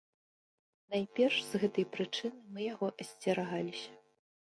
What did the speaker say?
Найперш, з гэтай прычыны мы яго асцерагаліся.